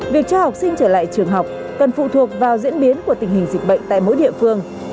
việc cho học sinh trở lại trường học cần phụ thuộc vào diễn biến của tình hình dịch bệnh tại mỗi địa phương